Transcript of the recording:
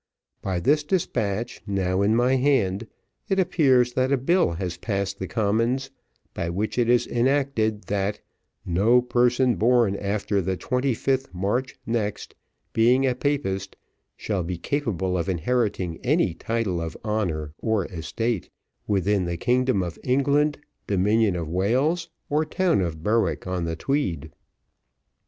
By this despatch, now in my hand, it appears that a Bill has passed the Commons, by which it is enacted, 'that no person born after the 25th March next, being a Papist, shall be capable of inheriting any title of honour or estate, within the kingdom of England, dominion of Wales, or town of Berwick on the Tweed.'"